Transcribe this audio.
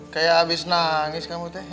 kayak habis nangis kamu teh